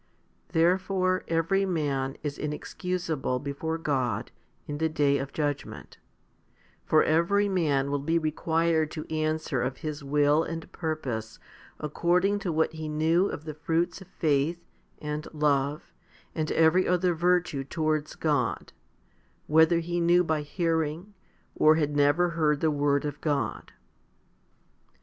Therefore every man is inexcusable before God in the day of judgment, for every man will be required to answer of his will and purpose according to what he knew of the fruits of faith and love and every other virtue towards God, whether he knew by hearing, or had never heard the word of God.